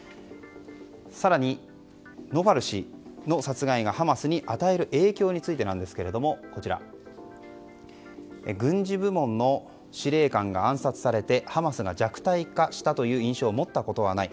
更にノファル氏の殺害がハマスに与える影響についてなんですが軍事部門の司令官が暗殺されてハマスが弱体化したという印象を持ったことはない。